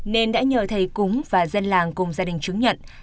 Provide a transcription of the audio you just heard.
nên đã nhờ thầy cúng và dân làng cùng gia đình chứng nhận